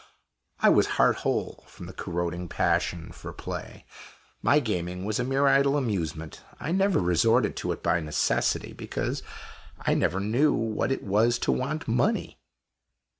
I was heart whole from the corroding passion for play. My gaming was a mere idle amusement. I never resorted to it by necessity, because I never knew what it was to want money.